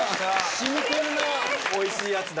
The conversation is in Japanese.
真剣なおいしいやつだ。